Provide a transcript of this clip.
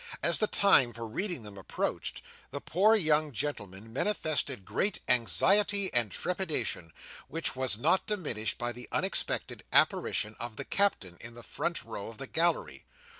As the time for reading them approached, the poor young gentleman manifested great anxiety and trepidation, which was not diminished by the unexpected apparition of the Captain in the front row of the gallery.